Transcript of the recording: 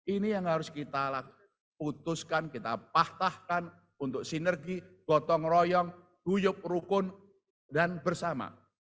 ini yang harus kita putuskan kita patahkan untuk sinergi gotong royong guyup rukun dan bersama